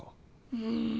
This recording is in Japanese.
うん。